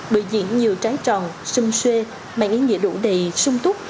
bựa diễn nhiều trái tròn xưng xuê mạng ý nghĩa đủ đầy xung túc